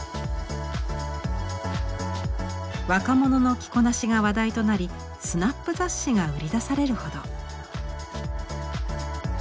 若者の着こなしが話題となりスナップ雑誌が売り出されるほど。